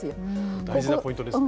大事なポイントですね。